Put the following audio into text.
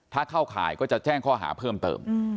ถ้าเข้าข่ายก็จะแจ้งข้อหาเพิ่มเติม